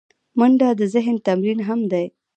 منډه د ذهن تمرین هم دی